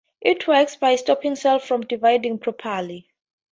It works by stopping cells from dividing properly.